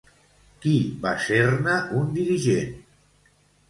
Qui va ser-ne un dirigent?